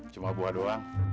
cuma buah doang